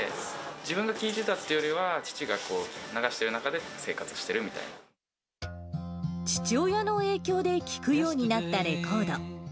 自分が聴いてたっていうよりは、父が流している中で生活している父親の影響で聴くようになったレコード。